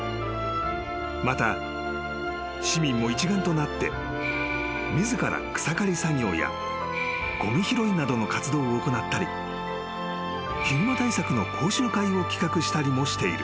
［また市民も一丸となって自ら草刈り作業やごみ拾いなどの活動を行ったりヒグマ対策の講習会を企画したりもしている］